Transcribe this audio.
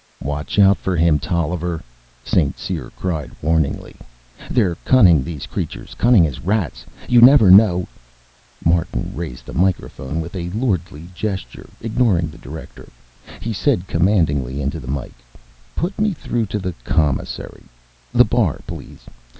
"Watch out for him, Tolliver!" St. Cyr cried warningly. "They're cunning, these creatures. Cunning as rats. You never know " Martin raised the microphone with a lordly gesture. Ignoring the director, he said commandingly into the mike, "Put me through to the commissary. The bar, please.